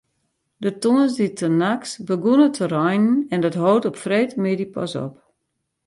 De tongersdeitenachts begûn it te reinen en dat hold op freedtemiddei pas op.